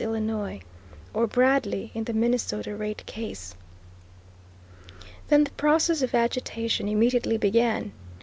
Illinois, or Bradley in the Minnesota Rate Case. Then the process of agitation immediately began.